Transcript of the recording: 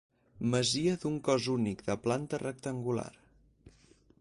Masia d'un cos únic de planta rectangular.